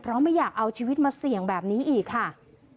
เพราะไม่อยากเอาชีวิตมาเสี่ยงแบบนี้อีกค่ะ